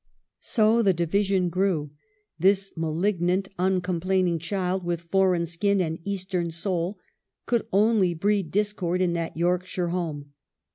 So the division grew. This malignant, un complaining child, with foreign skin and Eastern soul, could only breed discord in that Yorkshire home.